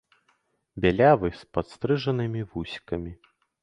Бялявы, з падстрыжанымі вусікамі.